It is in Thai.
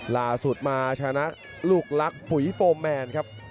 ล่าสุดมาชนะลูกลักษณ์ปุ๋ยโฟร์แมนครับ